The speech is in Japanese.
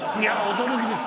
驚きです。